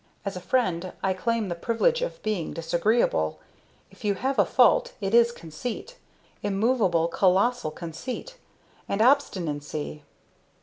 As a friend I claim the privilege of being disagreeable. If you have a fault it is conceit. Immovable Colossal Conceit! And Obstinacy!"